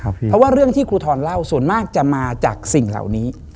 เพราะว่าเรื่องที่ครูทรเล่าส่วนมากจะมาจากสิ่งเหล่านี้